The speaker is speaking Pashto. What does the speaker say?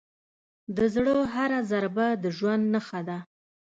د زړه هره ضربه د ژوند نښه ده.